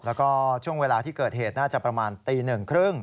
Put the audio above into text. แล้วก็ช่วงเวลาที่เกิดเหตุน่าจะประมาณตี๑๓๐น